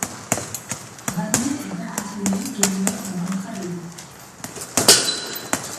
Varney est impressionné et lui offre un contrat de disque.